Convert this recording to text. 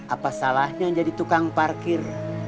apa salahnya jadi tukang parkir